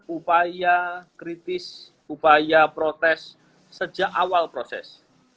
upaya kritis upaya protes sejak awal proses